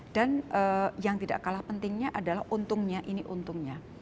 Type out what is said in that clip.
dan yang tidak kalah pentingnya adalah untungnya